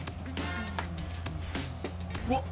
うわっ。